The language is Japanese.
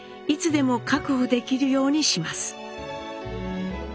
いつでも確保できるようにします。